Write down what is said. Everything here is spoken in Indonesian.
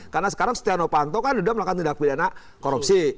karena sekarang setiano panto kan sudah melakukan tindak pidana korupsi